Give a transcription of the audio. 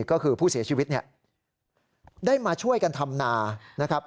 ก็คือผู้เสียชีวิตเนี่ยได้มาช่วยกันทำนานะครับ